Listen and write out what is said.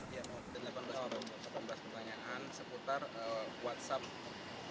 delapan belas orang delapan belas pertanyaan seputar whatsapp